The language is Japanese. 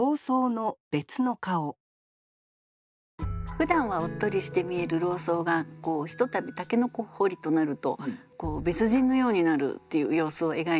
ふだんはおっとりして見える老僧がひとたび筍掘りとなると別人のようになるっていう様子を描いたものだと思います。